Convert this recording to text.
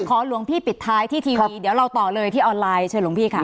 ขอหลวงพี่ปิดท้ายที่ทีวีเดี๋ยวเราต่อเลยที่ออนไลน์